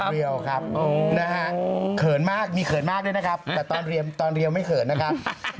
เผินมากมีเผินมากด้วยครับแต่ตอนรีวไม่เผินนะครับ